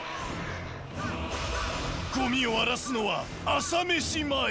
ゴミを荒らすのは朝飯前。